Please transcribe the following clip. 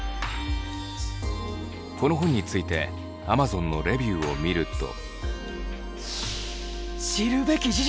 この本についてアマゾンのレビューを見ると。